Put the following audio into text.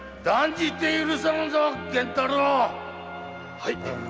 はい。